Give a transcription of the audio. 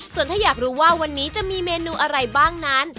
ส่วนถ้าอยากรู้ว่าวันนี้จะมีเมนูอะไรบ้างนั้น